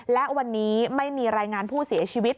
และวันนี้ไม่มีรายงานผู้เสียชีวิต